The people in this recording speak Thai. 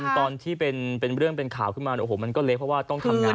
ตอนที่เป็นเรื่องเป็นข่าวขึ้นมาโอ้โหมันก็เละเพราะว่าต้องทำงาน